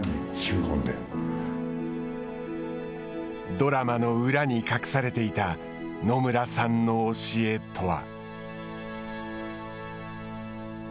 ドラマの裏に隠されていた野村さんの教えとは。